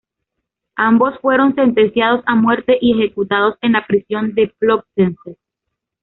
Ambos fueron sentenciados a muerte y ejecutados en la prisión de Plötzensee.